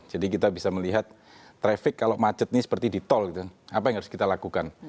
jadi kita bisa melihat traffic kalau macet ini seperti di tol gitu apa yang harus kita lakukan